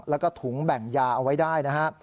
แล้วก็ถุงแบ่งยาเอาไว้ได้นะฮะ